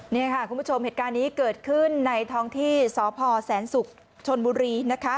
นี่ค่ะคุณผู้ชมเหตุการณ์นี้เกิดขึ้นในท้องที่สพแสนศุกร์ชนบุรีนะคะ